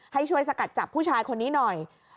ให้ช่วยสกัดจับผู้ชายคนนี้หน่อย